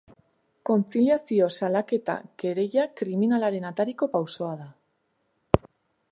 Kontziliazio salaketa kereila kriminalaren atariko pausoa da.